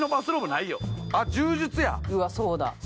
うわっそうだ。